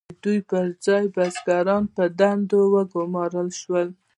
د دوی پر ځای بزګران په دندو وګمارل شول.